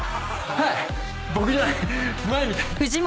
はい。